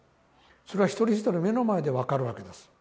それが一人一人目の前で分かるわけです